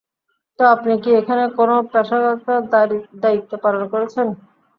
তো, আপনি কি এখানে কোনো পেশাগত দায়িত্ব পালন করেছন?